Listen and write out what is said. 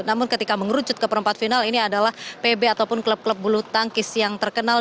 namun ketika mengerucut ke perempat final ini adalah pb ataupun klub klub bulu tangkis yang terkenal